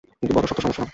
কিন্তু বড়ো শক্ত সমস্যা!